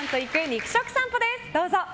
肉食さんぽです。